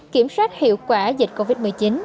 kiểm soát hiệu quả dịch covid một mươi chín